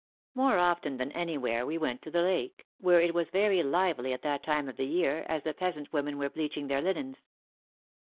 More often than anywhere we went to the lake, where it was very lively at that time of the year, as the peasant women were bleaching their linens.